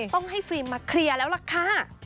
ต้องให้ฟิล์มมาเคลียร์แล้วล่ะค่ะ